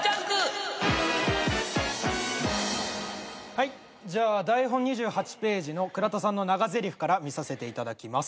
はいじゃあ台本２８ページの倉田さんの長ぜりふから見させていただきます。